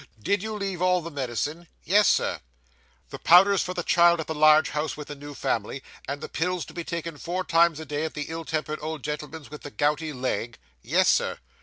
Did you leave all the medicine?' Yes, Sir.' 'The powders for the child, at the large house with the new family, and the pills to be taken four times a day at the ill tempered old gentleman's with the gouty leg?' 'Yes, sir.